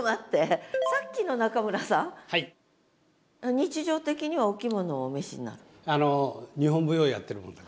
日常的にはお着物をお召しになる？えっ！？